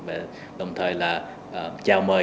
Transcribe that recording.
và đồng thời là chào mời